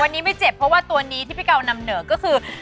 วันนี้ไม่เจ็บเพราะว่าตัวนี้ที่พี่เกานำเหนอก็คือ